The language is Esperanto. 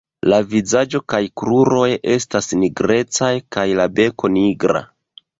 La vizaĝo kaj kruroj estas nigrecaj kaj la beko nigra.